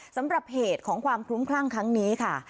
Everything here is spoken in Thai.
สำหรับเหตุของความคลุ้มคลั่งครั้งนี้ค่ะ